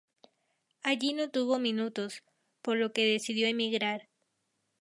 Allí no tuvo minutos, por lo que decidió emigrar.